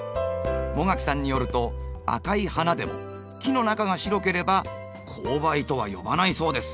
茂垣さんによると赤い花でも木の中が白ければ紅梅とは呼ばないそうです。